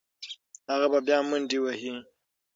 هغه به بیا منډې وهي.